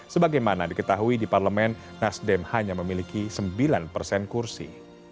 sebagaimana diketahui di parlemen nasdem hanya memiliki sembilan persen kursi